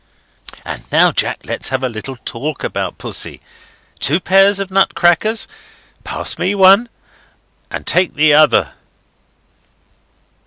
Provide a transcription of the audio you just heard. —And now, Jack, let's have a little talk about Pussy. Two pairs of nut crackers? Pass me one, and take the other."